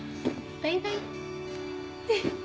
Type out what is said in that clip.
バイバイ。